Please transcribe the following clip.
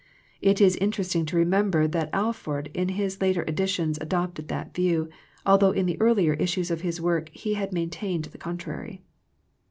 It is interesting to remember that Alford in his later editions adopted that view, although in the earlier issues of his work he had maintained the contrary.